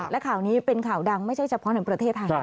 และข่าวนี้เป็นข่าวดังไม่ใช่เฉพาะในประเทศไทย